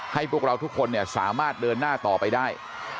พวกเราทุกคนสามารถเดินหน้าต่อไปได้